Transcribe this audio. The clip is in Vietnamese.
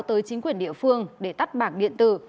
tới chính quyền địa phương để tắt bảng điện tử